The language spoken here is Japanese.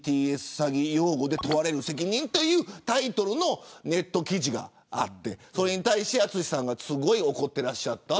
詐欺擁護で問われる責任というタイトルのネット記事があってそれに対して淳さんがすごく怒っていらっしゃった。